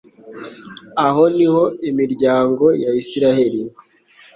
Aho ni ho imiryango ya Israheli